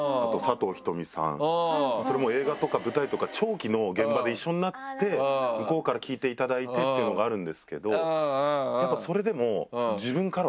それも映画とか舞台とか長期の現場で一緒になって向こうから聞いていただいてっていうのがあるんですけどやっぱそれでも。